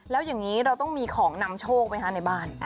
แล้วอย่างนี้เราต้องมีของนำโชคไหมคะในบ้าน